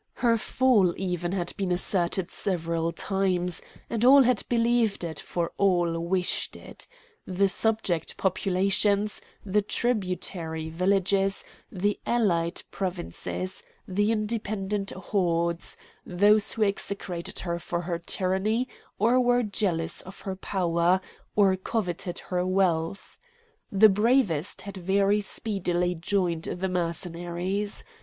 Her fall even had been asserted several times; and all had believed it for all wished it: the subject populations, the tributary villages, the allied provinces, the independent hordes, those who execrated her for her tyranny or were jealous of her power, or coveted her wealth. The bravest had very speedily joined the Mercenaries.